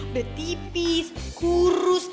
udah tipis kurus